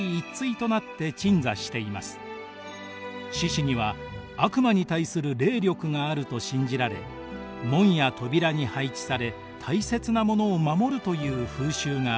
獅子には悪魔に対する霊力があると信じられ門や扉に配置され大切なものを守るという風習がありました。